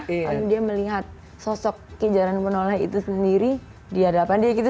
lalu dia melihat sosok kejaran penoleh itu sendiri di hadapan dia gitu